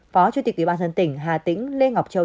phó chủ tịch tỉnh hà tĩnh lê ngọc châu